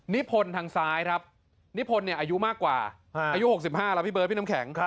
พลทางซ้ายครับนิพนธ์อายุมากกว่าอายุ๖๕แล้วพี่เบิร์ดพี่น้ำแข็ง